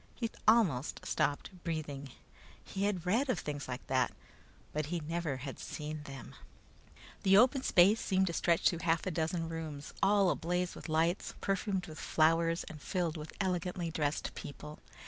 He almost stopped breathing. He had read of things like that, but he never had seen them. The open space seemed to stretch through half a dozen rooms, all ablaze with lights, perfumed with flowers, and filled with elegantly dressed people.